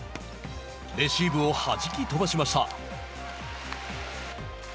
レシーブをはじき飛ばしました。